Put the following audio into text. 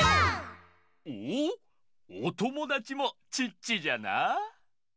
おおおともだちもチッチじゃな。